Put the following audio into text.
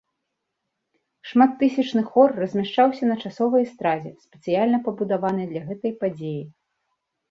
Шматтысячны хор размяшчаўся на часовай эстрадзе, спецыяльна пабудаванай для гэтай падзеі.